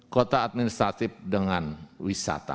kota administratif dengan wisata